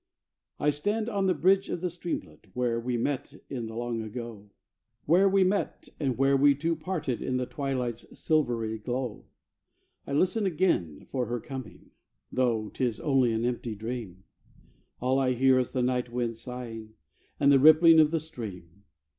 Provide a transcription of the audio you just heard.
I stand on the bridge of the streamlet, Where we met in the long ago; Where we met, and where we two parted In the twilight's silvery glow. I listen again for her coming, Though 'tis only an empty dream; All I hear is the night wind sighing, And the rippling of the stream.